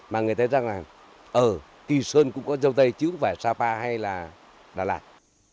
mà người ta nghĩ rằng là ờ kỳ sơn cũng có dâu tây chứ không phải sapa hay là đà lạt